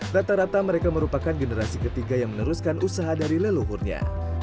rata rata mereka merupakan generasi ketiga yang meneruskan usaha dari leluhurnya